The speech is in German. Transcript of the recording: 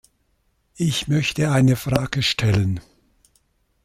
Ich möchte eine Frage stellen.